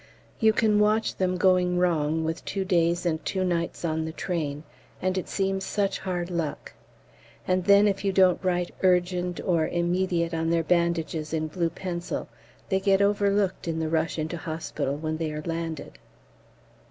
You can watch them going wrong, with two days and two nights on the train, and it seems such hard luck. And then if you don't write Urgent or Immediate on their bandages in blue pencil, they get overlooked in the rush into hospital when they are landed.